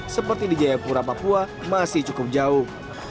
seperti di jayapura papua masih cukup jauh